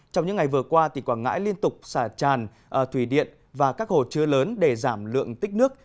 trong những ngày vừa qua tỉnh quảng ngãi liên tục xả tràn thủy điện và các hồ chứa lớn để giảm lượng tích nước